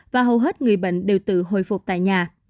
và hầu hết người bệnh đều tự hồi phục tại nhà